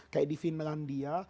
kayak di finlandia